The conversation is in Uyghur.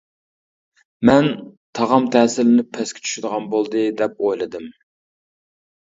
مەن «تاغام تەسىرلىنىپ پەسكە چۈشىدىغان بولدى» دەپ ئويلىدىم.